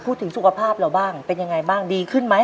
พูดถึงสุขภาพเราบ้างเป็นยังไงบ้างดีขึ้นไหม